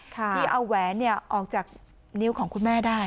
ที่เอาแหวนออกจากนิ้วของคุณแม่ได้